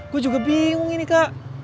gue juga bingung ini kak